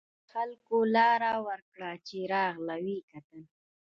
خلکو لار ورکړه چې راغله و یې کتل.